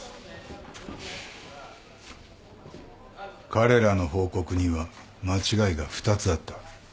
彼らの報告には間違いが２つあった。